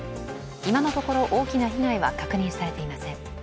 今のところ大きな被害は確認されていません。